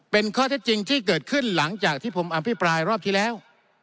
เป็นข้อเท็จจริงที่เกิดขึ้นหลังจากที่ผมอภิปรายรอบที่แล้ว